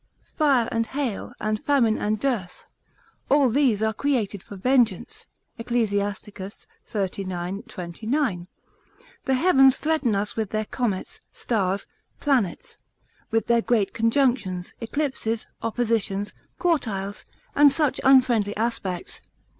Fire, and hail, and famine, and dearth, all these are created for vengeance, Ecclus. xxxix. 29. The heavens threaten us with their comets, stars, planets, with their great conjunctions, eclipses, oppositions, quartiles, and such unfriendly aspects.